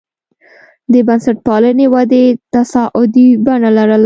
د بنسټپالنې ودې تصاعدي بڼه لرله.